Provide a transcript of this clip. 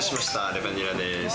レバニラです。